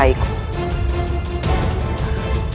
aku tidak bisa menghindarimu